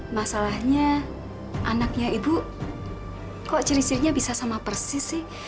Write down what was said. masalahnya anaknya ibu kok ciri cirinya bisa sama persis sih